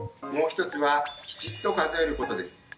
もう一つはきちっと数えることです。